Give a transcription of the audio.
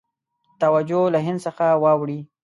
توجه له هند څخه واړوي.